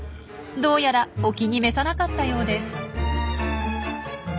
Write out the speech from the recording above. どうやらお気に召さなかったようです。